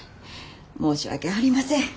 申し訳ありません。